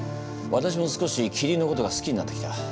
私も少しキリンのことが好きになってきた。